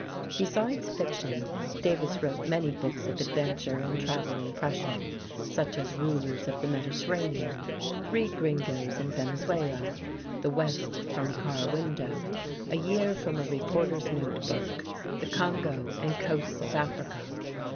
Besides fiction, Davis wrote many books of adventure and travel impression, such as "Rulers of the Mediterranean," "Three Gringos in Venezuela," "The West from a Car Window," "A Year from a Reporter's Note Book," "The Congo and Coasts of Africa."